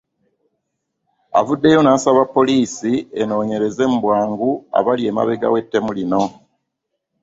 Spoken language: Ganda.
Avuddeyo n'asaba poliisi enoonyereze mu bwangu abapi emabega w'ettemu lino